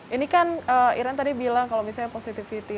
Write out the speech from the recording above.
ini kan iren tadi bilang kalau misalnya positivity rate kita itu menurun